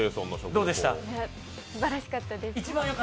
すばらしかったです。